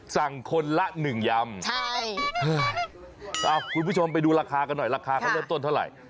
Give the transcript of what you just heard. สั่งคนละหนึ่งยำคุณผู้ชมไปดูราคากันหน่อยราคาเขาเริ่มต้นเท่าไหร่